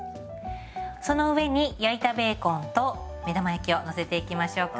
その上に焼いたベーコンと目玉焼きをのせていきましょうか。